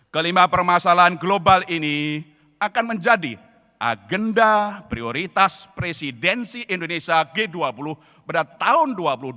kelima permasalahan global ini akan menjadi agenda prioritas presidensi indonesia g dua puluh pada tahun dua ribu dua puluh tiga